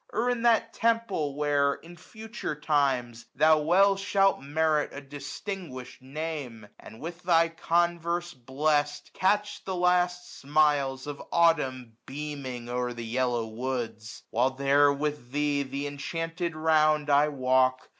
Or in that Temple where, in future times, ^rhou well shalt merit a distinguish'd name ; And, with thy converse blest, catch the last smiles 1050 Of Autumn beaming o'er the yellow woods. While there with thee th' inchanted round I walk.